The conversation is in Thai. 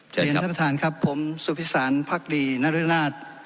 เจอครับท่านประทานครับผมสุภิษฐานภักดีนรรยนาช